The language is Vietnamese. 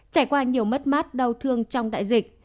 trải qua nhiều mất mát đau thương trong đại dịch